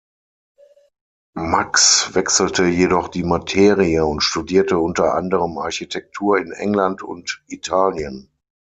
Max wechselte jedoch die Materie, und studierte unter anderem Architektur in England und Italien.